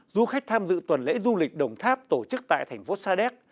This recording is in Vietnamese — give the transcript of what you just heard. du khách tham dự tuần lễ du lịch đồng tháp tổ chức tại thành phố sa đéc